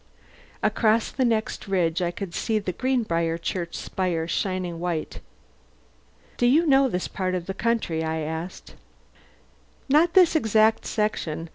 Across the next ridge I could see the Greenbriar church spire shining white. "Do you know this part of the country?" I asked finally. "Not this exact section.